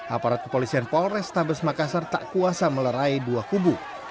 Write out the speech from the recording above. aparat kepolisian polrestabes makassar tak kuasa melerai dua kubu